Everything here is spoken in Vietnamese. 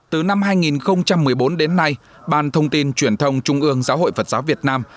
từ năm hai nghìn một mươi bốn đến nay ban thông tin truyền thông trung ương giáo hội phật giáo việt nam